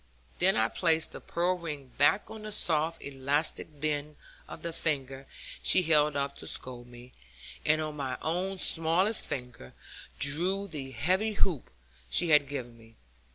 Then I placed the pearl ring back on the soft elastic bend of the finger she held up to scold me; and on my own smallest finger drew the heavy hoop she had given me.